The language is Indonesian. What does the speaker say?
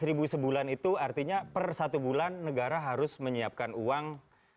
seratus ribu sebulan itu artinya per satu bulan negara harus menyiapkan uang